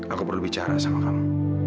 aku perlu bicara sama kamu